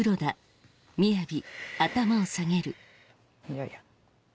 いやいや。